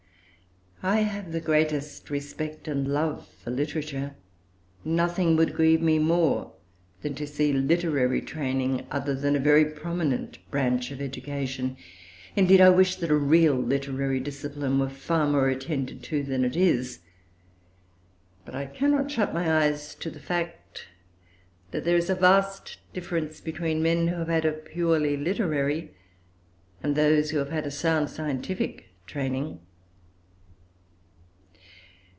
I have the greatest respect and love for literature; nothing would grieve me more than to see literary training other than a very prominent branch of education: indeed, I wish that real literary discipline were far more attended to than it is; but I cannot shut my eyes to the fact, that there is a vast difference between men who have had a purely literary, and those who have had a sound scientific, training.